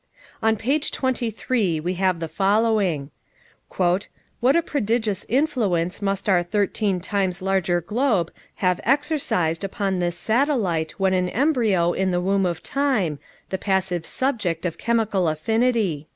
On page 23, we have the following: "What a prodigious influence must our thirteen times larger globe have exercised upon this satellite when an embryo in the womb of time, the passive subject of chemical affinity!"